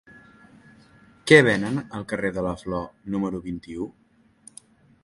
Què venen al carrer de la Flor número vint-i-u?